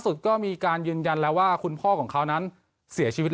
สุดก็มีการยืนยันแล้วว่าคุณพ่อของเขานั้นเสียชีวิต